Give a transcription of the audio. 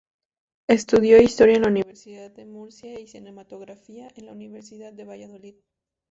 Estudió historia en la Universidad de Murcia y cinematografía en la Universidad de Valladolid.